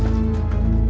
terima kasih pak